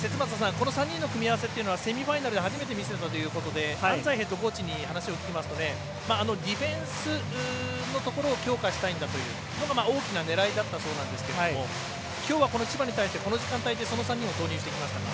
この３人の組み合わせというのはセミファイナルで初めて見せたということで安齋ヘッドコーチに話を聞きますとディフェンスのところを強化したいんだというのが大きな狙いだったんだそうですけどきょうは千葉に対してこの時間帯で３人を投入してきました。